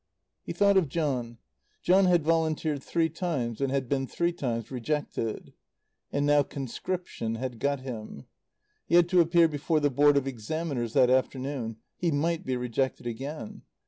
He thought of John. John had volunteered three times and had been three times rejected. And now conscription had got him. He had to appear before the Board of Examiners that afternoon. He might be rejected again.